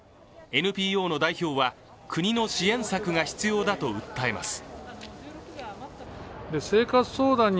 ＮＰＯの代表は、国の支援策が必要だと訴えます。